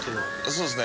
そうですね。